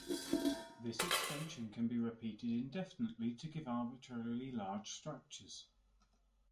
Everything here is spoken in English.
This extension can be repeated indefinitely, to give arbitrarily large structures.